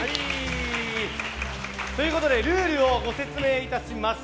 ルールをご説明いたします。